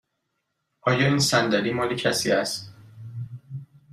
آیا این صندلی مال کسی است؟